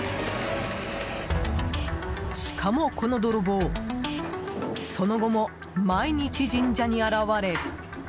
しかも、この泥棒その後も毎日神社に現れ。